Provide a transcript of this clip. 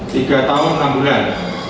tiga tahun enam bulan